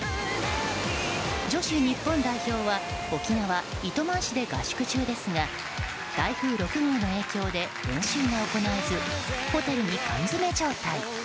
女子日本代表は沖縄・糸満市で合宿中ですが台風６号の影響で練習が行えずホテルに缶詰め状態。